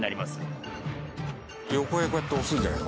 横へこうやって押すんじゃない？